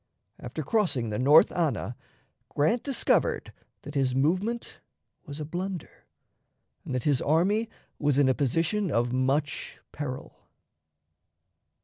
After crossing the North Anna, Grant discovered that his movement was a blunder, and that his army was in a position of much peril.